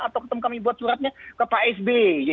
atau kami buat suratnya ke pak sb